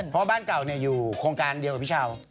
เพราะบ้านเก่าเนี่ยอยู่โพงการเดียวกับพิชาว